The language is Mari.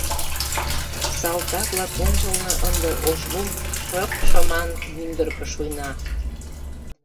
Салтак-влак ончылно ынде ош лум шып-шыман мӱндыркӧ шуйна.